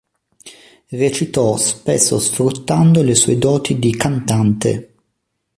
Recitò spesso sfruttando le sue doti di cantante.